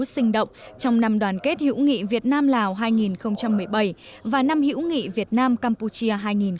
sinh động trong năm đoàn kết hữu nghị việt nam lào hai nghìn một mươi bảy và năm hữu nghị việt nam campuchia hai nghìn một mươi tám